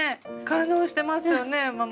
感動してますよねママ。